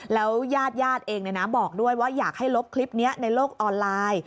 แล้วญาติเองบอกด้วยว่าอยากให้ลบคลิปนี้ในโลกออนไลน์